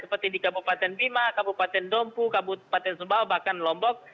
seperti di kabupaten bima kabupaten dompu kabupaten sumbawa bahkan lombok